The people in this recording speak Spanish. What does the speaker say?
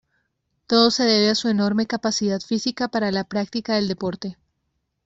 Todo se debe a su enorme capacidad física para la práctica del deporte.